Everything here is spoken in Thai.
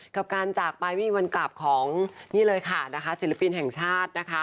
กับการจากไปไม่มีวันกลับของศิลปินแห่งชาติ